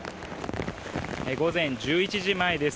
午前１１時前です。